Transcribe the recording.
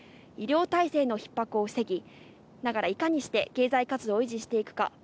医療体制の逼迫を防ぎながら、いかにして経済活動を維持していくのか。